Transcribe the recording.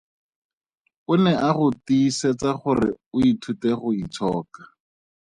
O ne a go tiisetsa gore o ithute go itshoka.